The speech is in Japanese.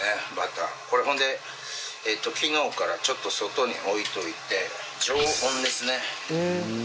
これ、ほんで、昨日からちょっと外に置いといて常温ですね。